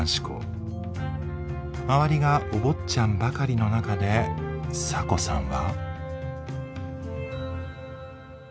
周りがお坊ちゃんばかりの中でサコさんは。